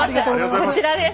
こちらです。